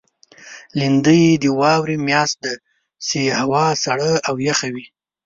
لېندۍ د واورې میاشت ده، چې هوا سړه او یخه وي.